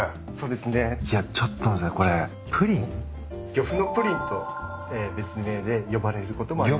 漁夫のプリンと別名で呼ばれることもあります。